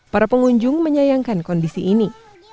para pengunjung menyayangkan kondisi ini